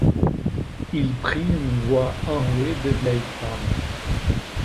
Il prit une voix enrouée de vieille femme.